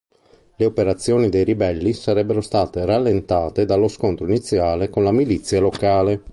Le operazioni dei ribelli sarebbero state rallentate dallo scontro iniziale con la milizia locale.